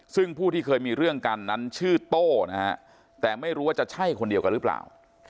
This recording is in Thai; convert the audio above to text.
ซึ่งผู้ที่เคยมีเรื่องกันนั้นชื่อโต้นะฮะแต่ไม่รู้ว่าจะใช่คนเดียวกันหรือเปล่า